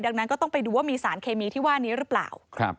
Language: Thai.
ดังนั้นก็ต้องไปดูว่ามีสารเคมีที่ว่านี้หรือเปล่า